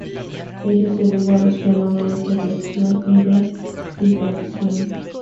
Ello se debe a los fenómenos de reflexión y de difracción.